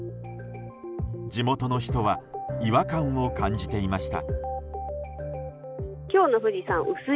地元の人は違和感を感じていました。